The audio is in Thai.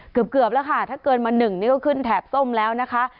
เกือบแล้วค่ะถ้าเกินมา๑นี่ก็ขึ้นแถบส้มแล้วนะคะ